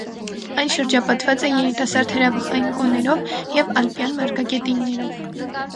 Այն շրջապատված է երիտասարդ հրաբխային կոներով և ալպյան մարգագետիններով։